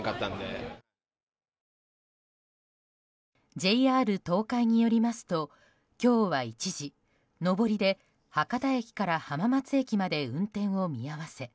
ＪＲ東海によりますと、今日は一時、上りで博多駅から浜松駅まで運転見合わせ。